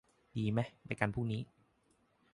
ดีไหม ไปกันพรุ่งนี้